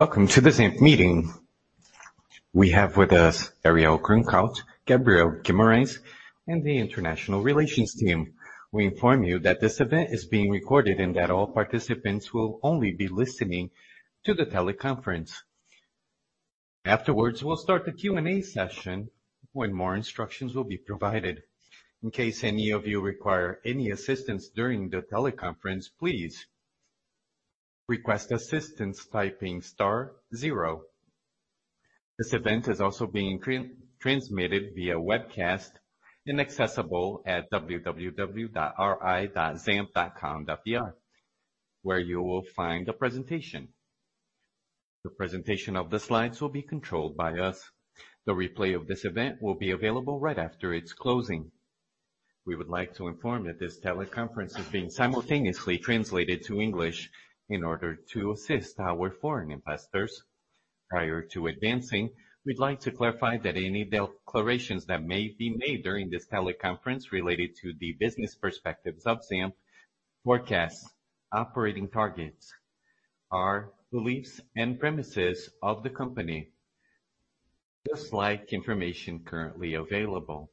Welcome to the ZAMP meeting. We have with us Ariel Grunkraut, Gabriel Guimarães, and the international relations team. We inform you that this event is being recorded and that all participants will only be listening to the teleconference. Afterwards, we'll start the Q&A session when more instructions will be provided. In case any of you require any assistance during the teleconference, please request assistance typing star zero. This event is also being transmitted via webcast and accessible at www.ri.zamp.com.br, where you will find the presentation. The presentation of the slides will be controlled by us. The replay of this event will be available right after its closing. We would like to inform that this teleconference is being simultaneously translated to English in order to assist our foreign investors. Prior to advancing, we'd like to clarify that any declarations that may be made during this teleconference related to the business perspectives of ZAMP, forecasts, operating targets, are beliefs and premises of the company. Just like information currently available.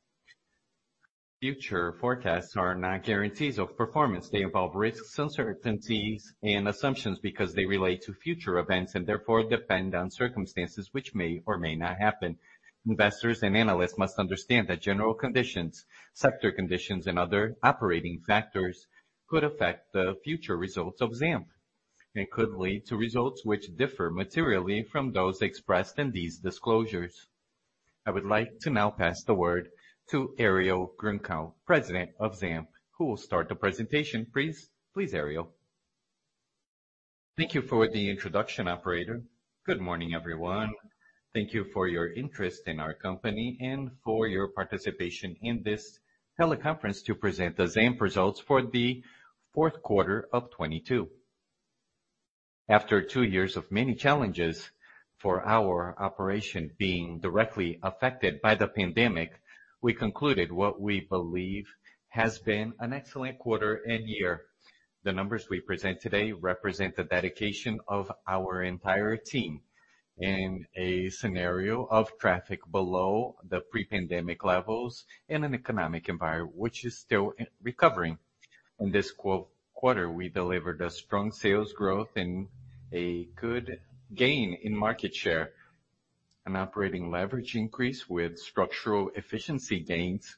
Future forecasts are not guarantees of performance. They involve risks, uncertainties, and assumptions because they relate to future events and therefore depend on circumstances which may or may not happen. Investors and analysts must understand that general conditions, sector conditions, and other operating factors could affect the future results of ZAMP and could lead to results which differ materially from those expressed in these disclosures. I would like to now pass the word to Ariel Grunkraut, president of ZAMP, who will start the presentation. Please, please, Ariel. Thank you for the introduction, Operator. Good morning, everyone. Thank you for your interest in our company and for your participation in this teleconference to present the ZAMP results for the fourth quarter of 2022. After two years of many challenges for our operation being directly affected by the pandemic, we concluded what we believe has been an excellent quarter and year. The numbers we present today represent the dedication of our entire team in a scenario of traffic below the pre-pandemic levels in an economic environment which is still recovering. In this quarter, we delivered a strong sales growth and a good gain in market share, an operating leverage increase with structural efficiency gains.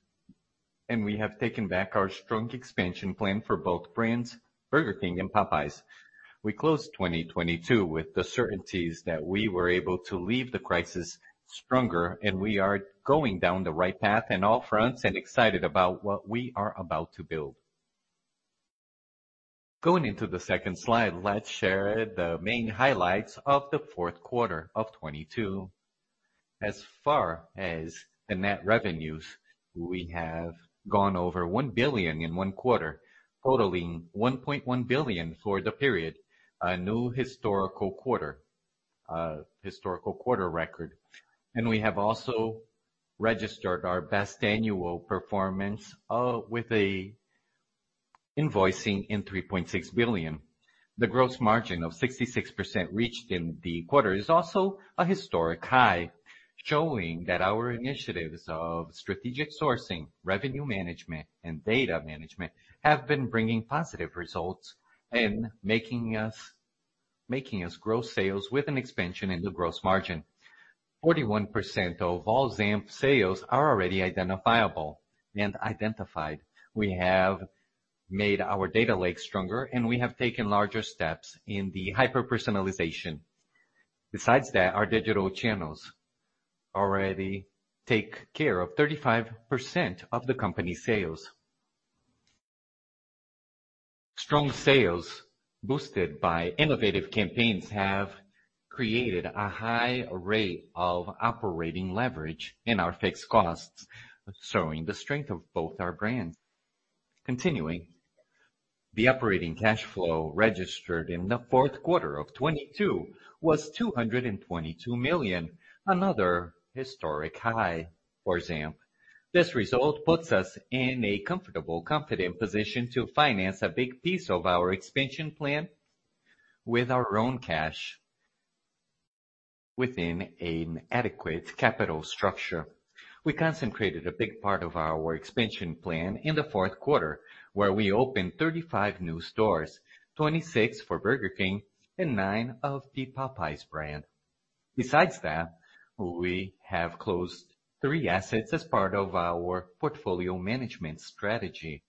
We have taken back our strong expansion plan for both brands, Burger King and Popeyes. We closed 2022 with the certainties that we were able to leave the crisis stronger, we are going down the right path in all fronts and excited about what we are about to build. Going into the second slide, let's share the main highlights of the fourth quarter of 2022. As far as the net revenues, we have gone over 1 billion in one quarter, totaling 1.1 billion for the period. A new historical quarter, historical quarter record. We have also registered our best annual performance with a invoicing in 3.6 billion. The gross margin of 66% reached in the quarter is also a historic high, showing that our initiatives of strategic sourcing, revenue management, and data management have been bringing positive results and making us grow sales with an expansion in the gross margin. 41% of all ZAMP sales are already identifiable and identified. We have made our data lake stronger, and we have taken larger steps in the hyper-personalization. Besides that, our digital channels already take care of 35% of the company's sales. Strong sales boosted by innovative campaigns have created a high rate of operating leverage in our fixed costs, showing the strength of both our brands. The operating cash flow registered in the fourth quarter of 2022 was 222 million, another historic high for ZAMP. This result puts us in a comfortable, confident position to finance a big piece of our expansion plan with our own cash within an adequate capital structure. We concentrated a big part of our expansion plan in the fourth quarter, where we opened 35 new stores, 26 for Burger King and nine of the Popeyes brand. We have closed three assets as part of our portfolio management strategy.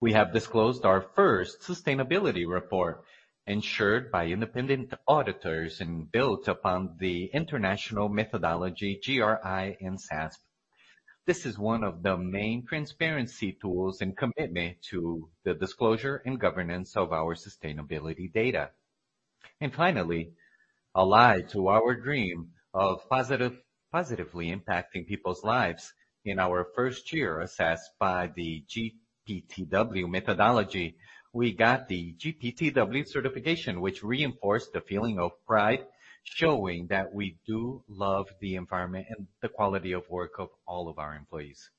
We have disclosed our first sustainability report, ensured by independent auditors and built upon the international methodology, GRI and SASB. This is one of the main transparency tools and commitment to the disclosure and governance of our sustainability data. Allied to our dream of positively impacting people's lives in our first year assessed by the GPTW methodology, we got the GPTW certification, which reinforced the feeling of pride, showing that we do love the environment and the quality of work of all of our employees.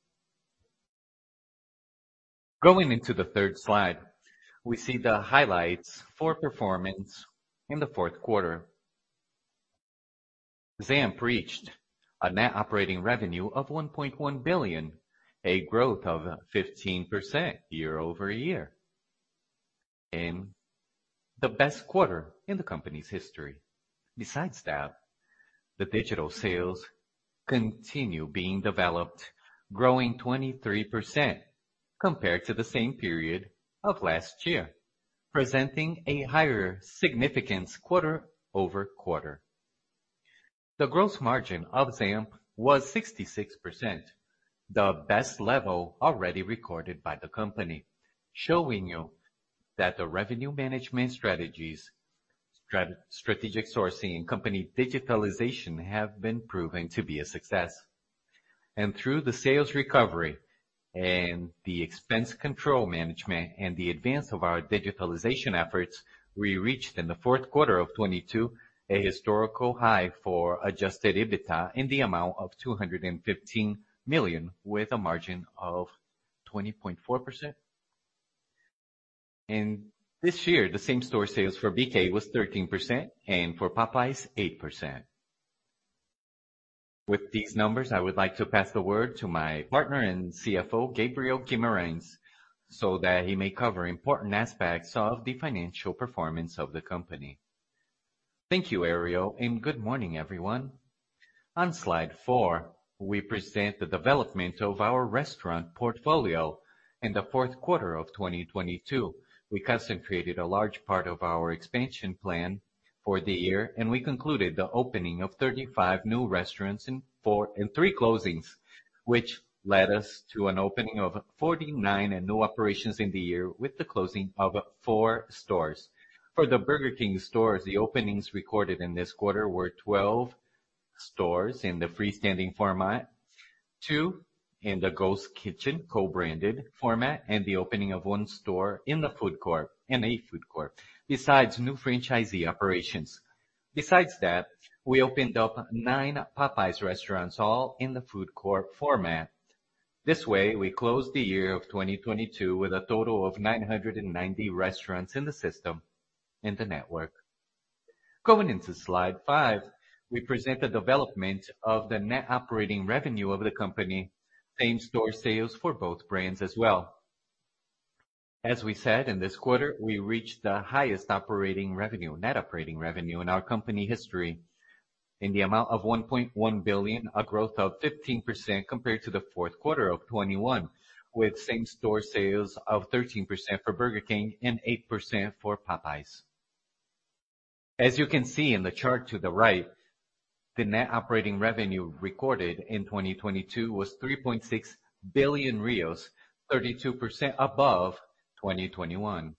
Going into the third slide, we see the highlights for performance in the fourth quarter. ZAMP reached a net operating revenue of 1.1 billion, a growth of 15% year-over-year. The best quarter in the company's history. Besides that, the digital sales continue being developed, growing 23% compared to the same period of last year, presenting a higher significance quarter-over-quarter. The gross margin of ZAMP was 66%, the best level already recorded by the company, showing you that the revenue management strategies, strategic sourcing, and company digitalization have been proven to be a success. Through the sales recovery and the expense control management and the advance of our digitalization efforts, we reached in the fourth quarter of 2022 a historical high for Adjusted EBITDA in the amount of 215 million with a margin of 20.4%. This year, the same-store sales for BK was 13%, and for Popeyes, 8%. With these numbers, I would like to pass the word to my partner and CFO, Gabriel Guimarães, so that he may cover important aspects of the financial performance of the company. Thank you, Ariel, good morning, everyone. On Slide 4, we present the development of our restaurant portfolio in the fourth quarter of 2022. We concentrated a large part of our expansion plan for the year, we concluded the opening of 35 new restaurants and three closings, which led us to an opening of 49 and no operations in the year with the closing of four stores. For the Burger King stores, the openings recorded in this quarter were 12 stores in the freestanding format, Two in the ghost kitchen co-branded format, and the opening of one store in a food court, besides new franchisee operations. We opened up nine Popeyes restaurants all in the food court format. This way, we closed the year of 2022 with a total of 990 restaurants in the system in the network. Going into Slide 5, we present the development of the net operating revenue of the company, same-store sales for both brands as well. As we said, in this quarter, we reached the highest net operating revenue in our company history in the amount of 1.1 billion, a growth of 15% compared to the fourth quarter of 2021, with same-store sales of 13% for Burger King and 8% for Popeyes. As you can see in the chart to the right, the net operating revenue recorded in 2022 was 3.6 billion, 32% above 2021,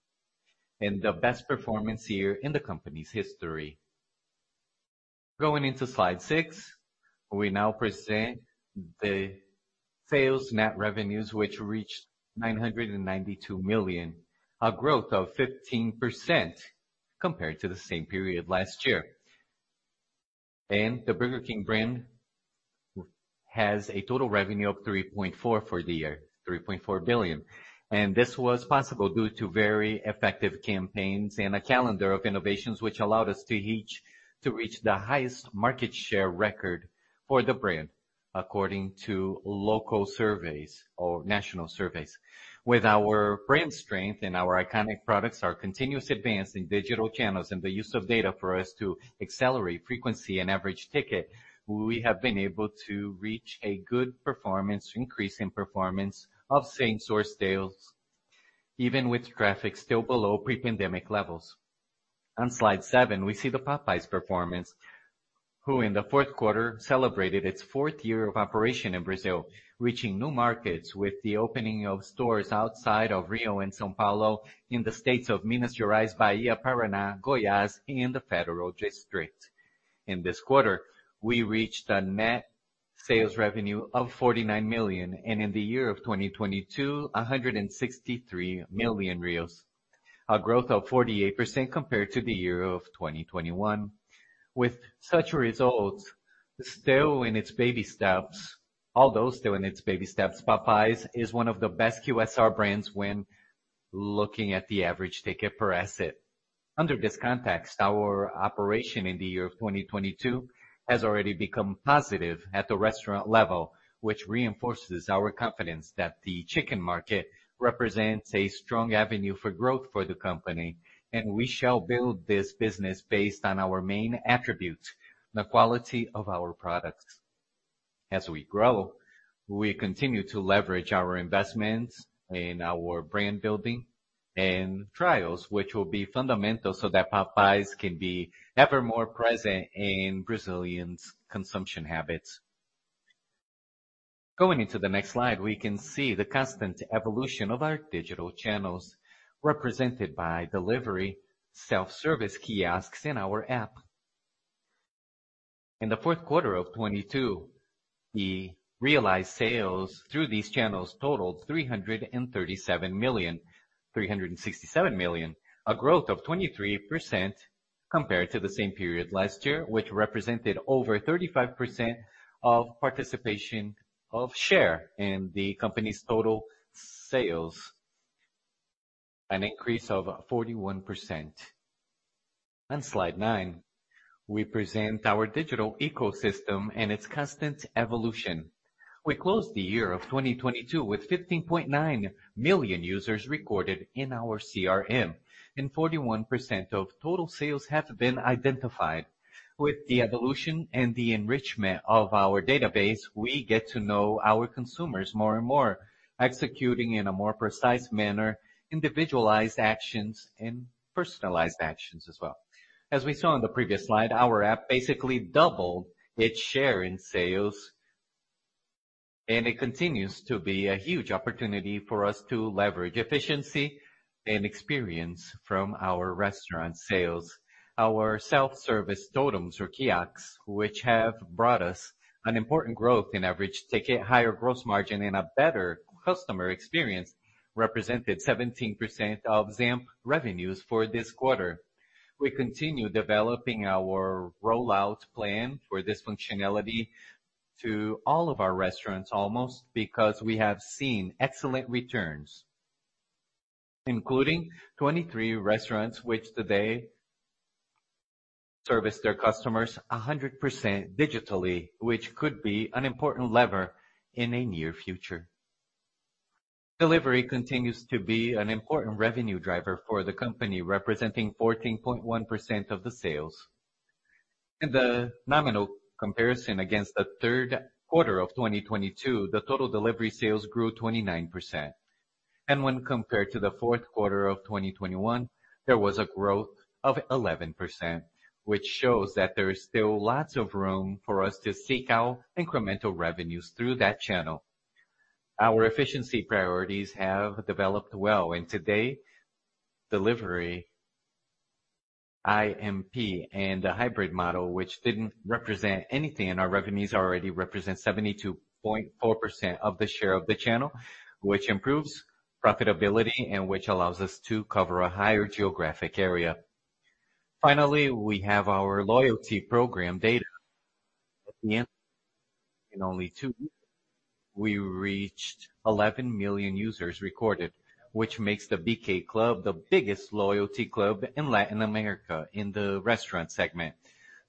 and the best performance year in the company's history. Going into Slide 6, we now present the sales net revenues, which reached 992 million, a growth of 15% compared to the same period last year. The Burger King brand has a total revenue of 3.4 for the year, 3.4 billion. This was possible due to very effective campaigns and a calendar of innovations which allowed us to reach the highest market share record for the brand, according to local surveys or national surveys. With our brand strength and our iconic products, our continuous advance in digital channels and the use of data for us to accelerate frequency and average ticket, we have been able to reach a good increase in performance of same-store sales, even with traffic still below pre-pandemic levels. On Slide 7, we see the Popeyes performance, who in the fourth quarter celebrated its fourth year of operation in Brazil, reaching new markets with the opening of stores outside of Rio and São Paulo in the states of Minas Gerais, Bahia, Paraná, Goiás, and the Federal District. In this quarter, we reached a net sales revenue of 49 million, and in the year of 2022, 163 million, a growth of 48% compared to the year of 2021. With such results, still in its baby steps, although still in its baby steps, Popeyes is one of the best QSR brands when looking at the average ticket per asset. Under this context, our operation in the year of 2022 has already become positive at the restaurant level, which reinforces our confidence that the chicken market represents a strong avenue for growth for the company. We shall build this business based on our main attributes, the quality of our products. As we grow, we continue to leverage our investments in our brand building and trials, which will be fundamental so that Popeyes can be ever more present in Brazilians' consumption habits. Going into the next slide, we can see the constant evolution of our digital channels, represented by delivery, self-service kiosks in our app. In the fourth quarter of 2022, the realized sales through these channels totaled 337 million. 367 million, a growth of 23% compared to the same period last year, which represented over 35% of participation of share in the company's total sales, an increase of 41%. On Slide 9, we present our digital ecosystem and its constant evolution. We closed the year of 2022 with 15.9 million users recorded in our CRM, and 41% of total sales have been identified. With the evolution and the enrichment of our database, we get to know our consumers more and more, executing in a more precise manner, individualized actions and personalized actions as well. As we saw on the previous slide, our app basically doubled its share in sales, and it continues to be a huge opportunity for us to leverage efficiency and experience from our restaurant sales. Our self-service totems or kiosks, which have brought us an important growth in average ticket, higher gross margin, and a better customer experience, represented 17% of ZAMP revenues for this quarter. We continue developing our rollout plan for this functionality to all of our restaurants almost because we have seen excellent returns, including 23 restaurants, which today service their customers 100% digitally, which could be an important lever in a near future. Delivery continues to be an important revenue driver for the company, representing 14.1% of the sales. In the nominal comparison against the third quarter of 2022, the total delivery sales grew 29%. When compared to the fourth quarter of 2021, there was a growth of 11%, which shows that there is still lots of room for us to seek out incremental revenues through that channel. Our efficiency priorities have developed well, and today, delivery MP and the hybrid model, which didn't represent anything in our revenues, already represent 72.4% of the share of the channel, which improves profitability and which allows us to cover a higher geographic area. We have our loyalty program data. At the end, in only two years, we reached 11 million users recorded, which makes the Clube BK the biggest loyalty club in Latin America in the restaurant segment.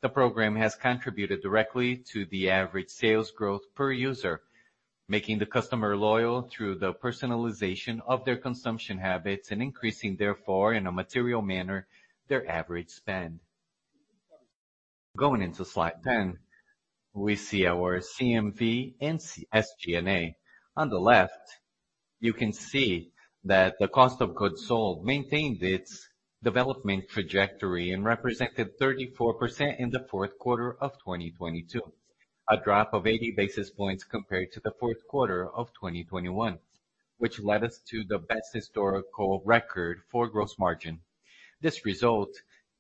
The program has contributed directly to the average sales growth per user, making the customer loyal through the personalization of their consumption habits and increasing, therefore, in a material manner, their average spend. Going into Slide 10, we see our CMV and SG&A. On the left, you can see that the cost of goods sold maintained its development trajectory and represented 34% in the fourth quarter of 2022, a drop of 80 basis points compared to the fourth quarter of 2021, which led us to the best historical record for gross margin. This result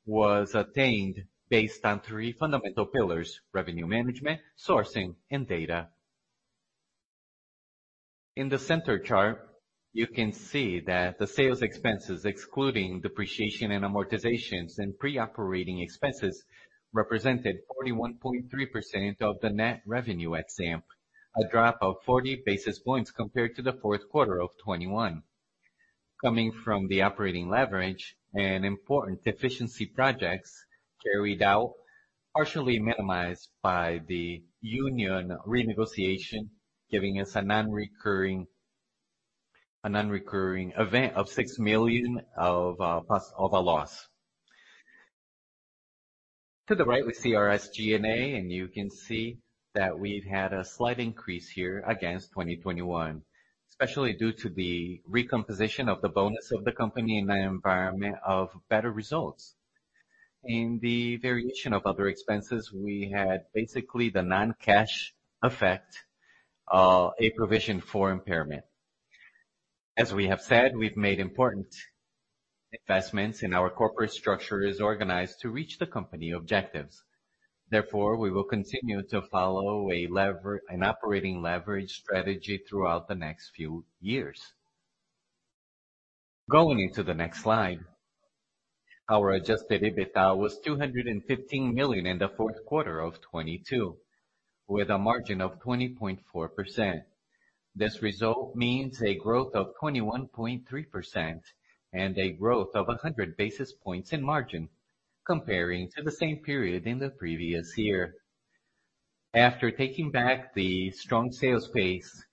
was attained based on three fundamental pillars: revenue management, sourcing, and data. In the center chart, you can see that the sales expenses, excluding depreciation and amortizations and pre-operating expenses, represented 41.3% of the net revenue at ZAMP, a drop of 40 basis points compared to the fourth quarter of 2021, coming from the operating leverage and important efficiency projects carried out, partially minimized by the union renegotiation, giving us a non-recurring event of 6 million of a loss. To the right, we see our SG&A, and you can see that we've had a slight increase here against 2021, especially due to the recomposition of the bonus of the company in an environment of better results. In the variation of other expenses, we had basically the non-cash effect, a provision for impairment. As we have said, we've made important investments, and our corporate structure is organized to reach the company objectives. Therefore, we will continue to follow an operating leverage strategy throughout the next few years. Going into the next slide, our Adjusted EBITDA was 215 million in the Q4 2022, with a margin of 20.4%. This result means a growth of 21.3% and a growth of 100 basis points in margin comparing to the same period in the previous year. After taking back the strong sales pace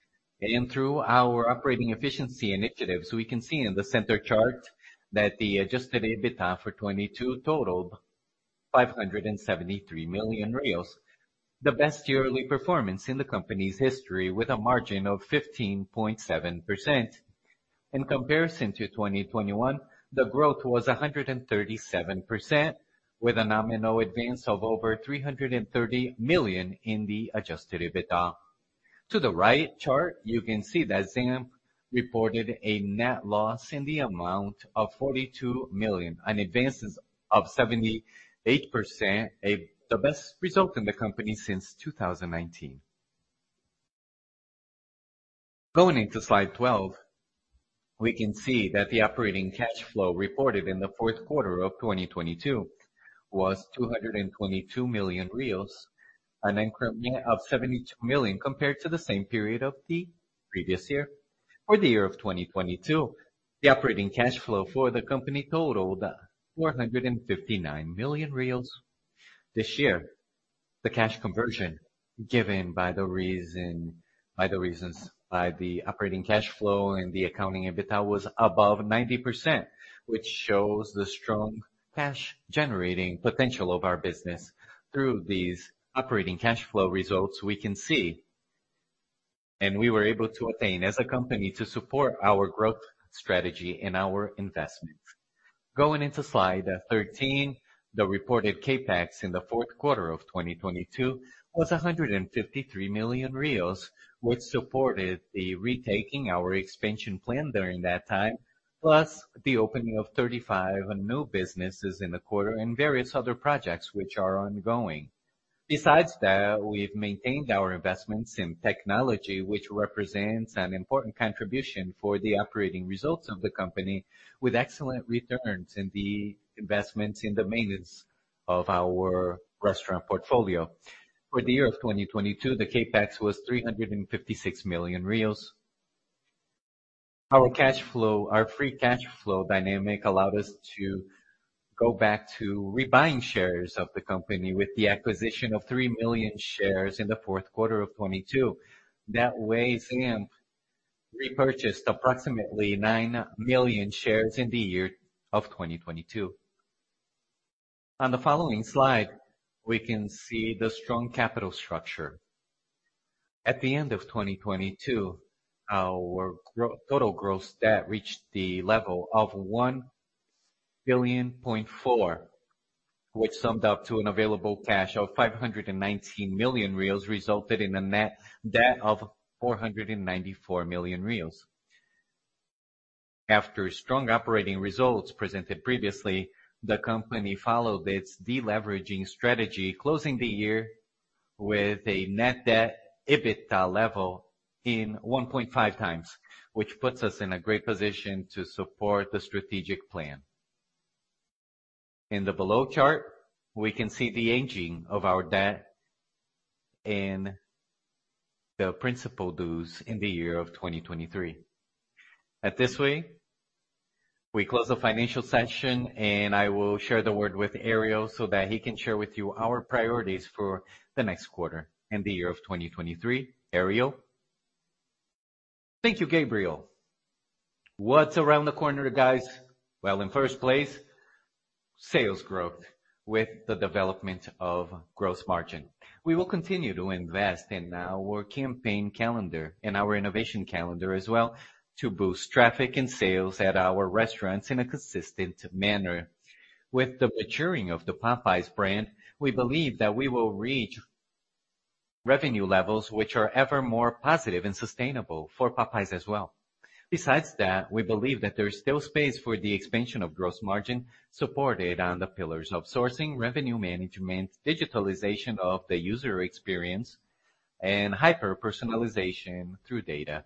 and through our operating efficiency initiatives, we can see in the center chart that the Aadjusted EBITDA for 2022 totaled 573 million, the best yearly performance in the company's history, with a margin of 15.7%. In comparison to 2021, the growth was 137%, with a nominal advance of over 330 million in the Adjusted EBITDA. To the right chart, you can see that ZAMP reported a net loss in the amount of 42 million, an advances of 78%, the best result in the company since 2019. Going into Slide 12, we can see that the operating cash flow reported in the fourth quarter of 2022 was 222 million, an increment of 72 million compared to the same period of the previous year or the year of 2022. The operating cash flow for the company totaled 459 million reais. This year, the cash conversion given by the operating cash flow and the accounting EBITDA was above 90%, which shows the strong cash generating potential of our business through these operating cash flow results we can see and we were able to attain as a company to support our growth strategy and our investments. Going into Slide 13, the reported CapEx in the fourth quarter of 2022 was 153 million, which supported the retaking our expansion plan during that time, plus the opening of 35 new businesses in the quarter and various other projects which are ongoing. We've maintained our investments in technology, which represents an important contribution for the operating results of the company, with excellent returns in the investments in the maintenance of our restaurant portfolio. For the year of 2022, the CapEx was 356 million reais. Our cash flow, our free cash flow dynamic allowed us to go back to rebuying shares of the company with the acquisition of 3 million shares in the fourth quarter of 2022. That way, ZAMP repurchased approximately 9 million shares in the year of 2022. On the following slide, we can see the strong capital structure. At the end of 2022, our total gross debt reached the level of 1.4 billion, which summed up to an available cash of 519 million reais, resulted in a net debt of 494 million reais. After strong operating results presented previously, the company followed its deleveraging strategy, closing the year with a net debt EBITDA level in 1.5 times, which puts us in a great position to support the strategic plan. In the below chart, we can see the aging of our debt and the principal dues in the year of 2023. At this way, we close the financial session, and I will share the word with Ariel so that he can share with you our priorities for the next quarter and the year of 2023. Ariel. Thank you, Gabriel. What's around the corner, guys? Well, in first place, sales growth with the development of gross margin. We will continue to invest in our campaign calendar and our innovation calendar as well to boost traffic and sales at our restaurants in a consistent manner. With the maturing of the Popeyes brand, we believe that we will reach revenue levels which are ever more positive and sustainable for Popeyes as well. We believe that there is still space for the expansion of gross margin supported on the pillars of sourcing, revenue management, digitalization of the user experience, and hyper-personalization through data.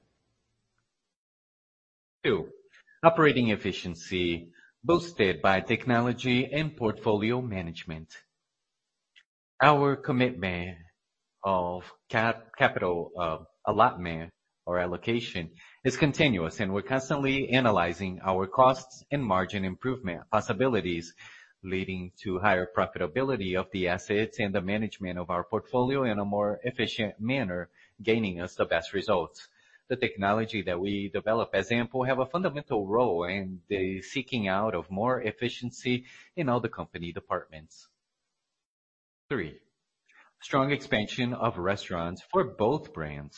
Two, operating efficiency boosted by technology and portfolio management. Our commitment of capital allotment or allocation is continuous. We're constantly analyzing our costs and margin improvement possibilities, leading to higher profitability of the assets and the management of our portfolio in a more efficient manner, gaining us the best results. The technology that we develop as example, have a fundamental role in the seeking out of more efficiency in all the company departments. Three, strong expansion of restaurants for both brands.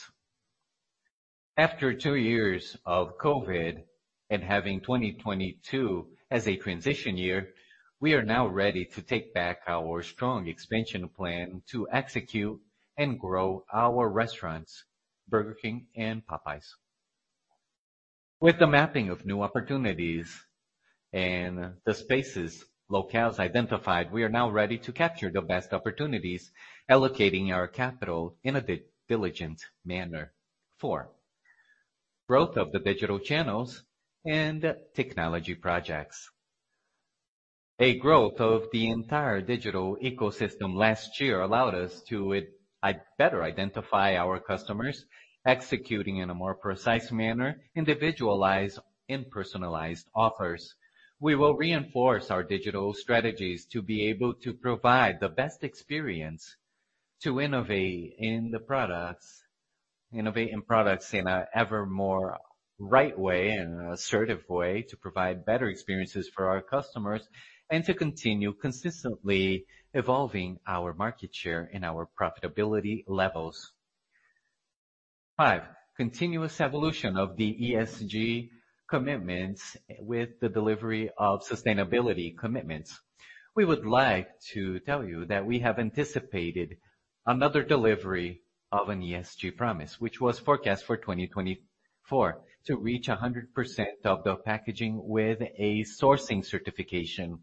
After two years of COVID and having 2022 as a transition year, we are now ready to take back our strong expansion plan to execute and grow our restaurants, Burger King and Popeyes. With the mapping of new opportunities and the spaces locales identified, we are now ready to capture the best opportunities, allocating our capital in a diligent manner. Four. growth of the digital channels and technology projects. A growth of the entire digital ecosystem last year allowed us to better identify our customers, executing in a more precise manner, individualized and personalized offers. We will reinforce our digital strategies to be able to provide the best experience to innovate in the products, innovate in products in an evermore right way and assertive way to provide better experiences for our customers and to continue consistently evolving our market share and our profitability levels. Five, continuous evolution of the ESG commitments with the delivery of sustainability commitments. We would like to tell you that we have anticipated another delivery of an ESG promise, which was forecast for 2024, to reach 100% of the packaging with a sourcing certification,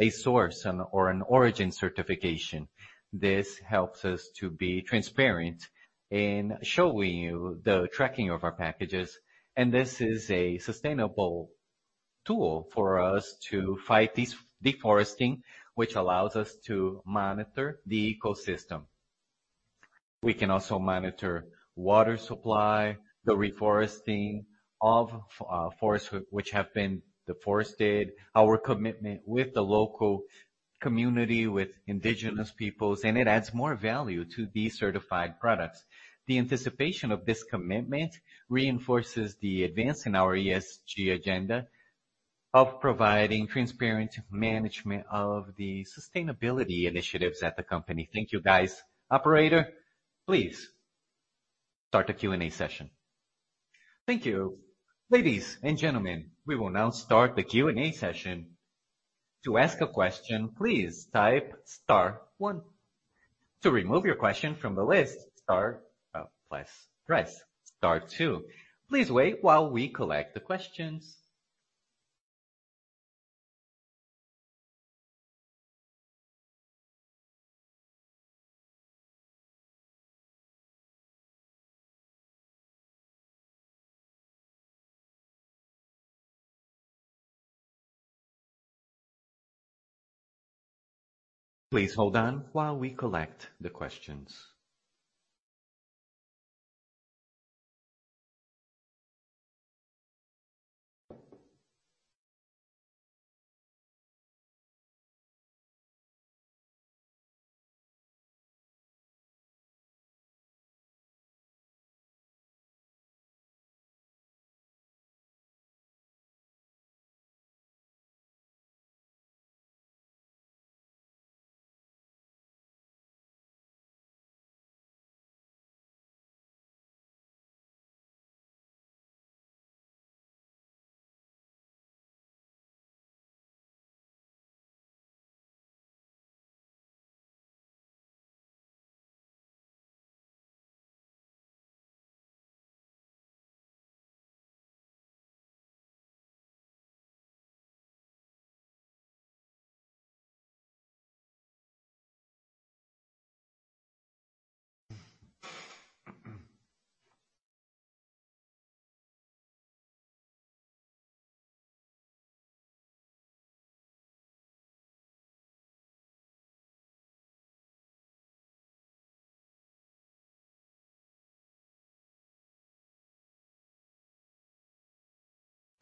a source and/or an origin certification. This helps us to be transparent in showing you the tracking of our packages, and this is a sustainable tool for us to fight this deforesting, which allows us to monitor the ecosystem. We can also monitor water supply, the reforesting of forests which have been deforested, our commitment with the local community, with indigenous peoples. It adds more value to these certified products. The anticipation of this commitment reinforces the advance in our ESG agenda of providing transparent management of the sustainability initiatives at the company. Thank you, guys. Operator, please start the Q&A session. Thank you. Ladies and gentlemen, we will now start the Q&A session. To ask a question, please type star one. To remove your question from the list, press star two. Please wait while we collect the questions. Please hold on while we collect the questions.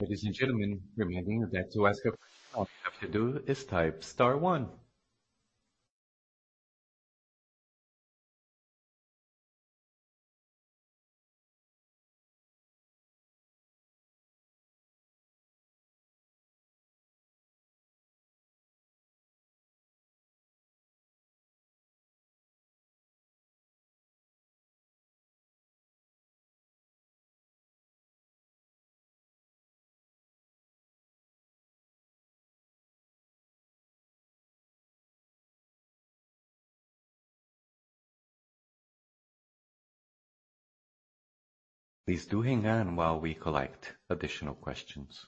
Ladies and gentlemen, remaining to ask a question, all you have to do is type star one. Please do hang on while we collect additional questions.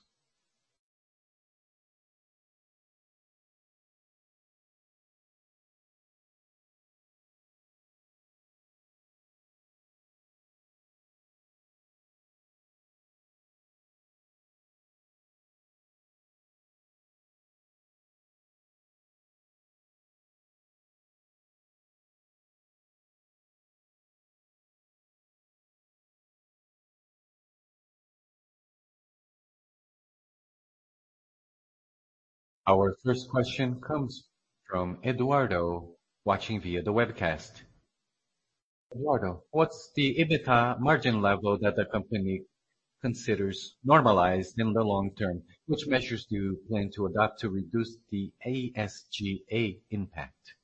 Our first question comes from Eduardo watching via the webcast. Eduardo, what's the EBITDA margin level that the company considers normalized in the long term? Which measures do you plan to adopt to reduce the SG&A impact?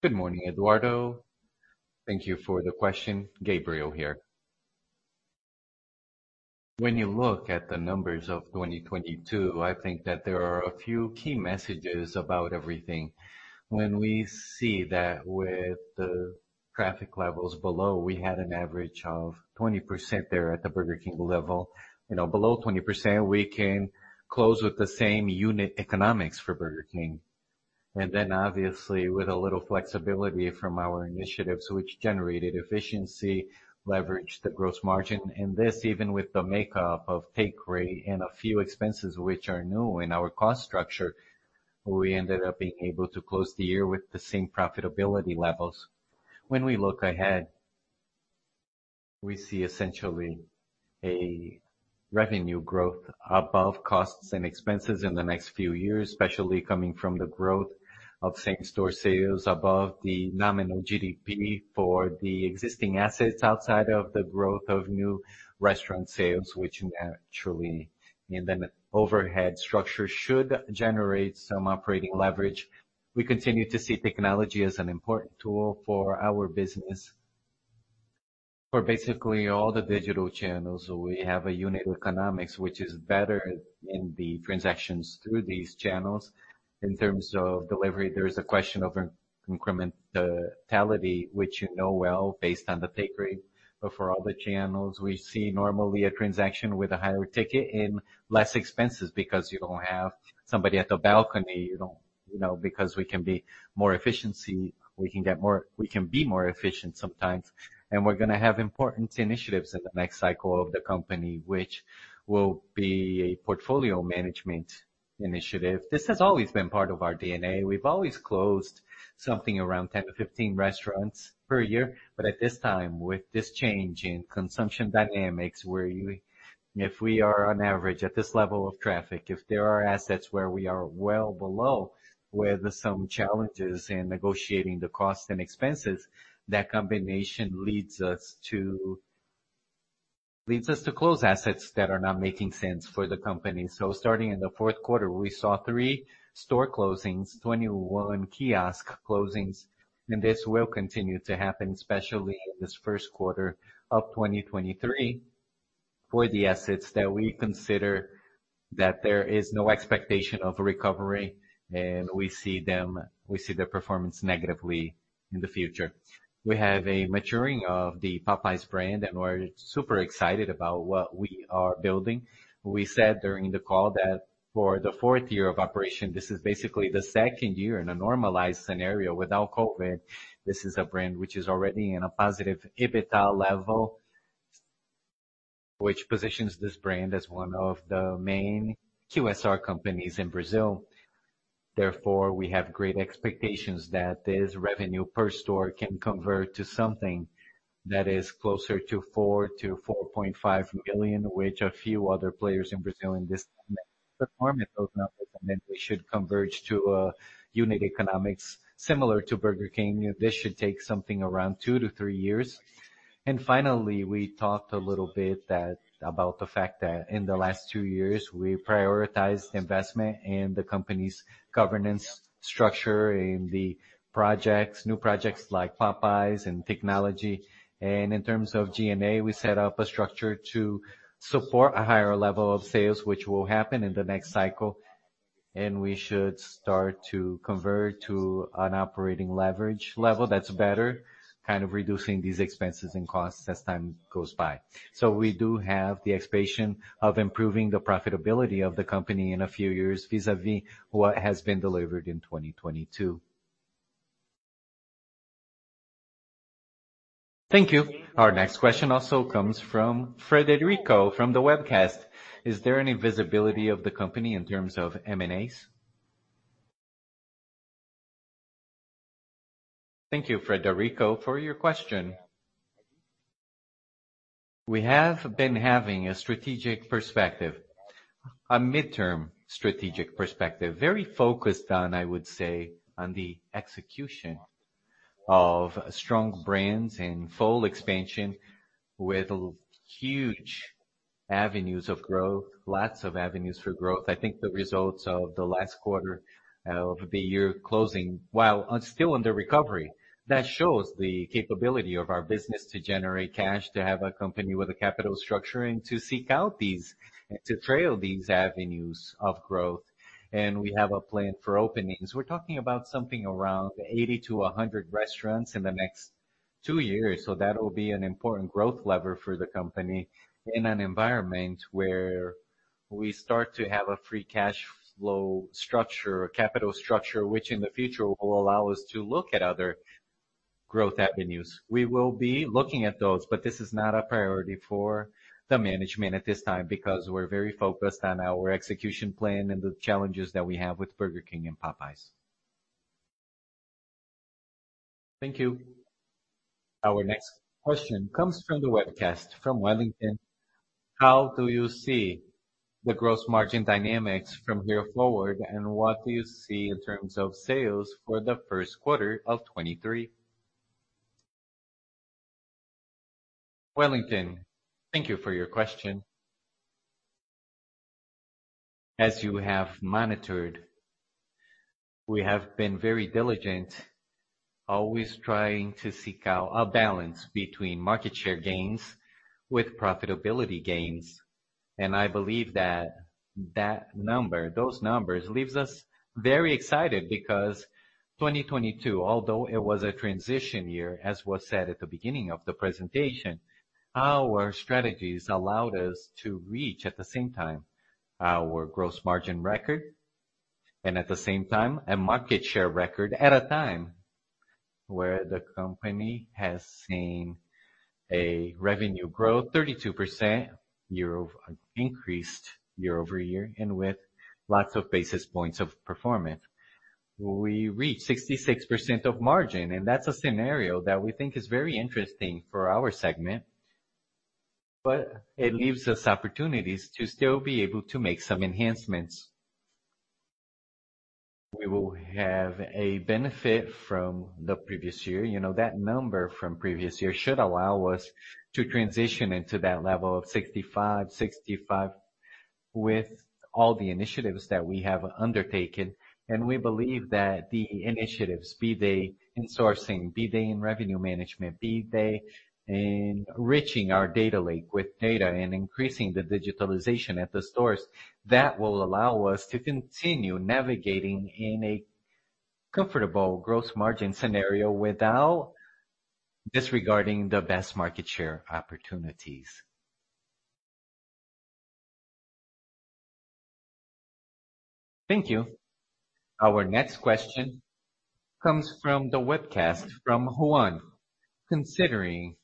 Good morning, Eduardo. Thank you for the question. Gabriel here. When you look at the numbers of 2022, I think that there are a few key messages about everything. When we see that with the traffic levels below, we had an average of 20% there at the Burger King level. You know, below 20%, we can close with the same unit economics for Burger King. Obviously, with a little flexibility from our initiatives which generated efficiency, leverage the gross margin, and this even with the makeup of take rate and a few expenses which are new in our cost structure, we ended up being able to close the year with the same profitability levels. When we look ahead, we see essentially a revenue growth above costs and expenses in the next few years, especially coming from the growth of same-store sales above the nominal GDP for the existing assets outside of the growth of new restaurant sales, which naturally in the overhead structure should generate some operating leverage. We continue to see technology as an important tool for our business. For basically all the digital channels, we have a unit economics which is better in the transactions through these channels. In terms of delivery, there is a question of incrementality, which you know well based on the take rate. For all the channels, we see normally a transaction with a higher ticket and less expenses because you don't have somebody at the balcony, you don't, you know, because we can be more efficient sometimes. We're gonna have important initiatives in the next cycle of the company, which will be a portfolio management initiative. This has always been part of our DNA. We've always closed something around 10 to 15 restaurants per year. At this time, with this change in consumption dynamics, where if we are on average at this level of traffic, if there are assets where we are well below, where there's some challenges in negotiating the costs and expenses, that combination leads us to close assets that are not making sense for the company. Starting in the fourth quarter, we saw three store closings, 21 kiosk closings, and this will continue to happen, especially in this first quarter of 2023, for the assets that we consider that there is no expectation of recovery and we see their performance negatively in the future. We have a maturing of the Popeyes brand, and we're super excited about what we are building. We said during the call that for the fourth year of operation, this is basically the second year in a normalized scenario without COVID. This is a brand which is already in a positive EBITDA level, which positions this brand as one of the main QSR companies in Brazil. Therefore, we have great expectations that this revenue per store can convert to something that is closer to 4 million-4.5 million, which a few other players in Brazil in this segment perform at those numbers, and then we should converge to a unit economics similar to Burger King. This should take something around two to three years. Finally, we talked a little bit about the fact that in the last two years, we prioritized investment in the company's governance structure, in the projects, new projects like Popeyes and technology. In terms of GMV, we set up a structure to support a higher level of sales, which will happen in the next cycle, and we should start to convert to an operating leverage level that's better, kind of reducing these expenses and costs as time goes by. We do have the expectation of improving the profitability of the company in a few years vis-a-vis what has been delivered in 2022. Thank you. Our next question also comes from Frederico from the webcast. Is there any visibility of the company in terms of M&As? Thank you, Frederico, for your question. We have been having a strategic perspective, a midterm strategic perspective, very focused on, I would say, on the execution of strong brands and full expansion with huge avenues of growth, lots of avenues for growth. I think the results of the last quarter of the year closing, while still under recovery, that shows the capability of our business to generate cash, to have a company with a capital structure, and to seek out and to trail these avenues of growth. We have a plan for openings. We're talking about something around 80 to 100 restaurants in the next two years. That will be an important growth lever for the company in an environment where we start to have a free cash flow structure, a capital structure, which in the future will allow us to look at other growth avenues. We will be looking at those, but this is not a priority for the management at this time because we're very focused on our execution plan and the challenges that we have with Burger King and Popeyes. Thank you. Our next question comes from the webcast from Wellington. How do you see the gross margin dynamics from here forward, and what do you see in terms of sales for the first quarter of 2023? Wellington, thank you for your question. As you have monitored, we have been very diligent, always trying to seek out a balance between market share gains with profitability gains. I believe that those numbers leaves us very excited because 2022, although it was a transition year, as was said at the beginning of the presentation, our strategies allowed us to reach, at the same time, our gross margin record and, at the same time, a market share record at a time where the company has seen a revenue growth 32% increased year-over-year and with lots of basis points of performance. We reached 66% of margin. That's a scenario that we think is very interesting for our segment. It leaves us opportunities to still be able to make some enhancements. We will have a benefit from the previous year. You know, that number from previous year should allow us to transition into that level of 65 with all the initiatives that we have undertaken. We believe that the initiatives, be they in sourcing, be they in revenue management, be they in reaching our data lake with data and increasing the digitalization at the stores, that will allow us to continue navigating in a comfortable gross margin scenario without disregarding the best market share opportunities. Thank you. Our next question comes from the webcast from Juan. Considering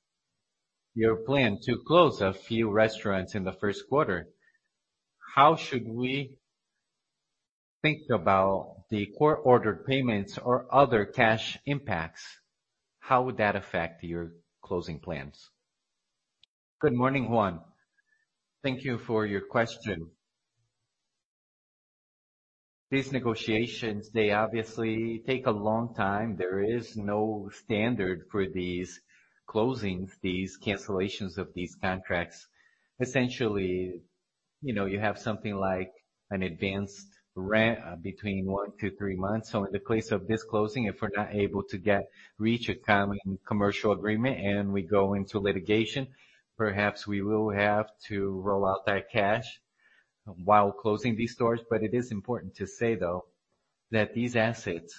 your plan to close a few restaurants in the first quarter, how should we think about the court ordered payments or other cash impacts? How would that affect your closing plans? Good morning, Juan. Thank you for your question. These negotiations, they obviously take a long time. There is no standard for these closings, these cancellations of these contracts. Essentially, you know, you have something like an advanced rent between one to three months. In the case of this closing, if we're not able to reach a common commercial agreement and we go into litigation, perhaps we will have to roll out that cash while closing these stores. It is important to say, though, that these assets,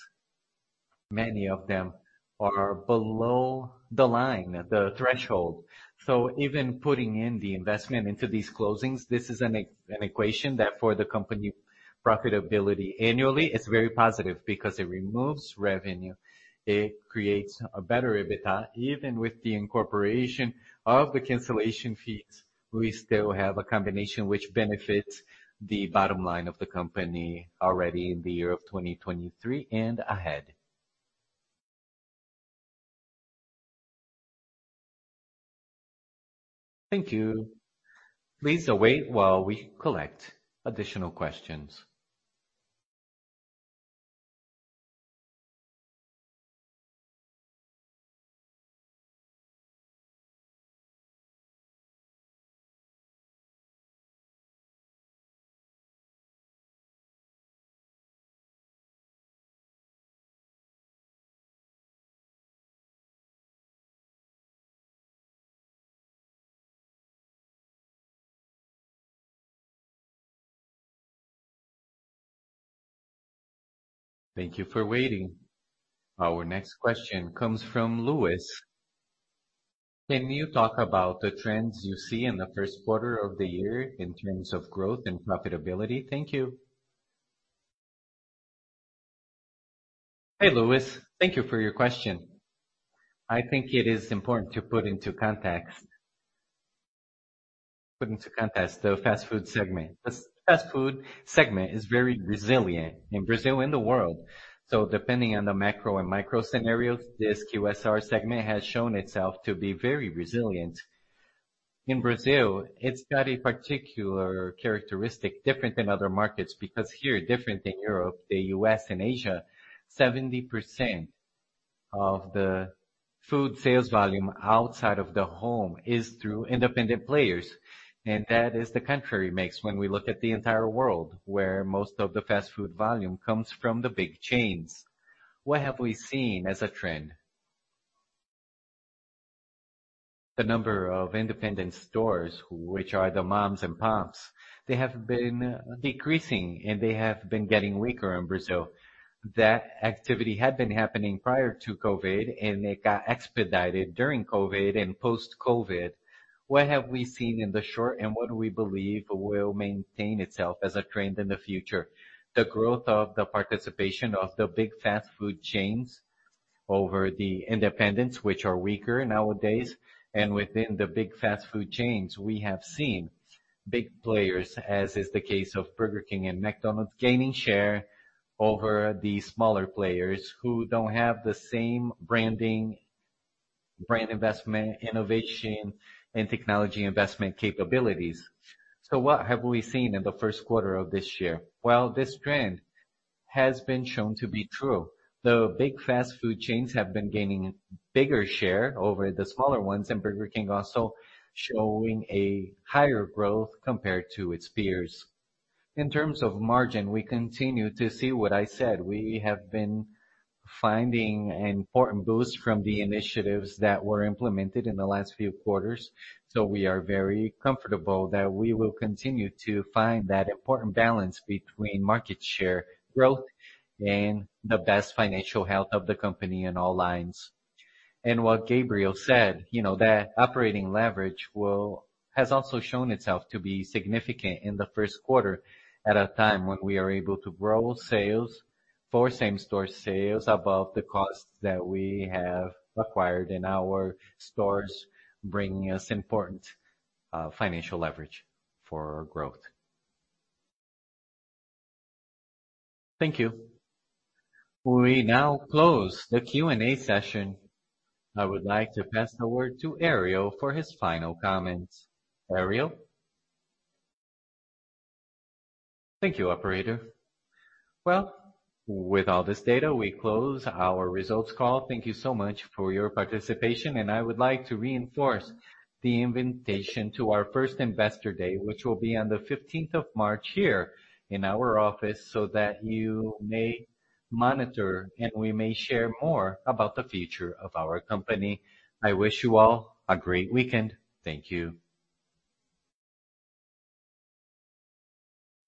many of them are below the line, the threshold. Even putting in the investment into these closings, this is an equation that for the company profitability annually is very positive because it removes revenue, it creates a better EBITDA. Even with the incorporation of the cancellation fees, we still have a combination which benefits the bottom line of the company already in the year of 2023 and ahead. Thank you. Please wait while we collect additional questions. Thank you for waiting. Our next question comes from Lewis. Can you talk about the trends you see in the first quarter of the year in terms of growth and profitability? Thank you. Hey, Lewis. Thank you for your question. I think it is important to put into context the fast food segment. The fast food segment is very resilient in Brazil and the world. Depending on the macro and micro scenarios, this QSR segment has shown itself to be very resilient. In Brazil, it's got a particular characteristic different than other markets because here, different than Europe, the U.S., and Asia, 70% of the food sales volume outside of the home is through independent players. That is the country mix when we look at the entire world, where most of the fast food volume comes from the big chains. What have we seen as a trend? The number of independent stores, which are the moms and pops, they have been decreasing, and they have been getting weaker in Brazil. That activity had been happening prior to COVID, and it got expedited during COVID and post-COVID. What have we seen in the short and what do we believe will maintain itself as a trend in the future? The growth of the participation of the big fast food chains over the independents, which are weaker nowadays. Within the big fast food chains, we have seen big players, as is the case of Burger King and McDonald's, gaining share over the smaller players who don't have the same branding, brand investment, innovation, and technology investment capabilities. What have we seen in the first quarter of this year? Well, this trend has been shown to be true. The big fast food chains have been gaining bigger share over the smaller ones, and Burger King also showing a higher growth compared to its peers. In terms of margin, we continue to see what I said. We have been finding an important boost from the initiatives that were implemented in the last few quarters. We are very comfortable that we will continue to find that important balance between market share growth and the best financial health of the company in all lines. What Gabriel said, you know, that operating leverage has also shown itself to be significant in the first quarter at a time when we are able to grow sales for same-store sales above the costs that we have acquired in our stores, bringing us important financial leverage for growth. Thank you. We now close the Q&A session. I would like to pass the word to Ariel for his final comments. Ariel. Thank you, Operator. Well, with all this data, we close our results call. Thank you so much for your participation, and I would like to reinforce the invitation to our first Investor Day, which will be on the 15th of March here in our office, so that you may monitor and we may share more about the future of our company. I wish you all a great weekend. Thank you.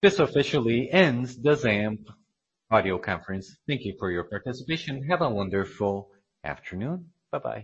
This officially ends the ZAMP audio conference. Thank you for your participation. Have a wonderful afternoon. Bye-bye.